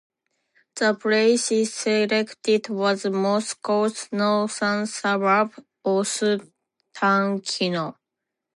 The place selected was Moscow's northern suburb Ostankino.